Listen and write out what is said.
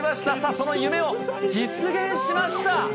その夢を実現しました。